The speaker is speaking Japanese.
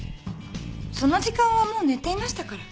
その時間はもう寝ていましたから。